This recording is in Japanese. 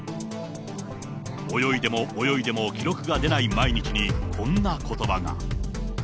泳いでも泳いでも記録が出ない毎日に、こんなことばが。